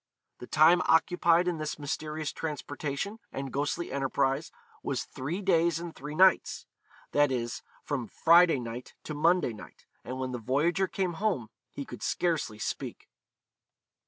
The time occupied in this mysterious transportation and ghostly enterprise was three days and three nights; that is, from Friday night to Monday night; and when the voyager came home he could scarcely speak.